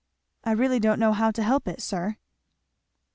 I really don't know how to help it, sir."